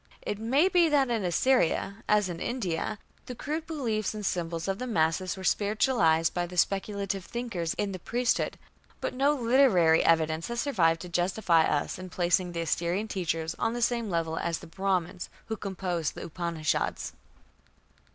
It may be that in Assyria, as in India, the crude beliefs and symbols of the masses were spiritualized by the speculative thinkers in the priesthood, but no literary evidence has survived to justify us in placing the Assyrian teachers on the same level as the Brahmans who composed the Upanishads.